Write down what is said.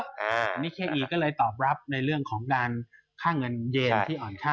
อันนี้เคอีก็เลยตอบรับในเรื่องของการค่าเงินเยนที่อ่อนค่า